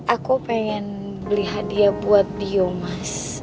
aku pengen beli hadiah buat dio mas